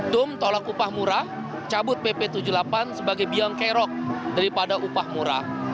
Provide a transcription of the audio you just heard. tum tolak upah murah cabut pp tujuh puluh delapan sebagai biang kerok daripada upah murah